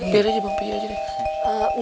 biar aja bang piu aja deh